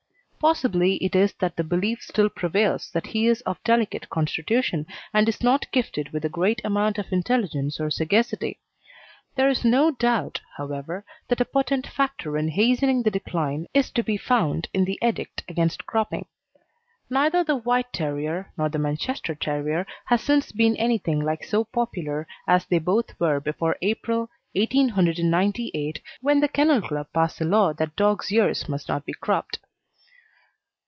Possibly it is that the belief still prevails that he is of delicate constitution, and is not gifted with a great amount of intelligence or sagacity; there is no doubt, however, that a potent factor in hastening the decline is to be found in the edict against cropping. Neither the White Terrier nor the Manchester Terrier has since been anything like so popular as they both were before April, 1898, when the Kennel Club passed the law that dogs' ears must not be cropped.